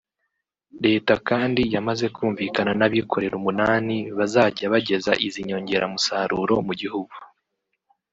Leta kandi yamaze kumvikana n’abikorera umunani bazajya bageza izi nyongeramusaruro mu gihugu